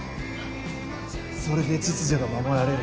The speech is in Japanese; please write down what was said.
それで秩序が守られる。